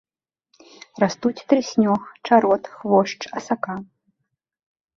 Растуць трыснёг, чарот, хвошч, асака.